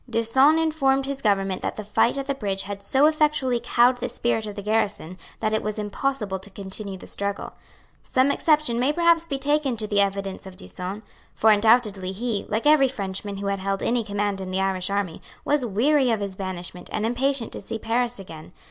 D'Usson informed his government that the fight at the bridge had so effectually cowed the spirit of the garrison that it was impossible to continue the struggle. Some exception may perhaps be taken to the evidence of D'Usson; for undoubtedly he, like every Frenchman who had held any command in the Irish army, was weary of his banishment, and impatient to see Paris again.